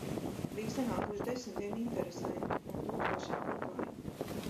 Bija sanākuši desmitiem interesentu un tūkstošiem kukaiņu.